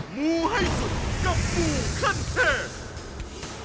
มูให้สุดกับงูขั้นเทพ